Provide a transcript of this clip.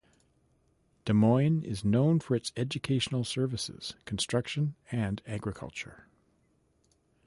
Des Moines is known for its educational services, construction, and agriculture.